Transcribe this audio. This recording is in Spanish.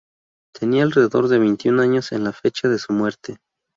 Tenía alrededor de veintiún años en la fecha de su muerte.